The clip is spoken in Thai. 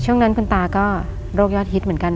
ช่วงนั้นคุณตาก็โรคยอดฮิตเหมือนกัน